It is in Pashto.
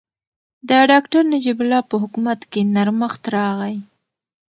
د ډاکټر نجیب الله په حکومت کې نرمښت راغی.